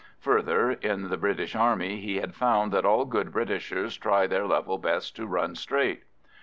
Further, in the British Army he had found that all good Britishers try their level best to run straight.